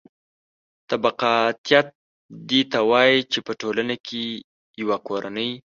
طبقاتیت دې ته وايي چې په ټولنه کې یوه کورنۍ